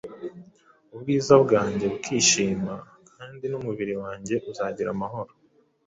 ubwiza bwanjye bukishima, kandi n’umubiri wanjye uzagira amahoro.